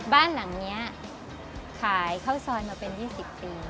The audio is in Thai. บ้านหลังนี้ขายข้าวซอยมาเป็น๒๐ปี